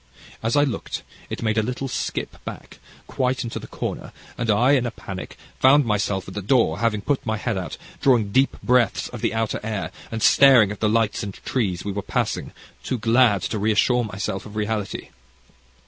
As I looked, it made a little skip back, quite into the corner, and I, in a panic, found myself at the door, having put my head out, drawing deep breaths of the outer air, and staring at the lights and tress we were passing, too glad to reassure myself of reality.